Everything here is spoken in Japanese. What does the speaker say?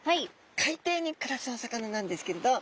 海底に暮らすお魚なんですけれど。